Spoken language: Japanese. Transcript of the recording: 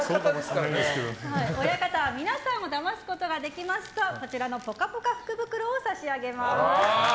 親方は皆さんをだますことができますとこちらのぽかぽか福袋を差し上げます。